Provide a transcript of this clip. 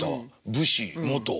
武士元。